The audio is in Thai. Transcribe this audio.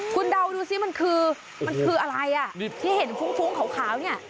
คุณเดาดูสิมันคือมันคืออะไรอ่ะดิบที่เห็นฟุ้งขาวเนี่ย